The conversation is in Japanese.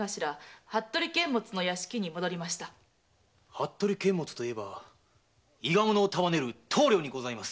服部監物といえば伊賀者を束ねる頭領にございます。